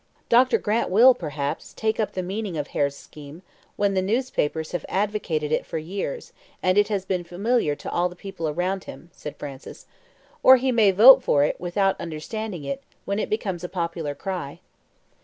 "Dr. Grant will, perhaps, take up the meaning of Hare's scheme when the newspapers have advocated it for years, and it has been familiar to all the people around him," said Francis, "or he may vote for it without understanding it, when it becomes a popular cry."